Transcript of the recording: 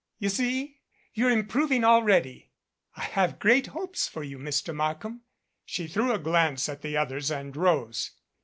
"You see? You're improving already. I have great hopes for you, Mr. Markham." She threw a glance at the others and rose.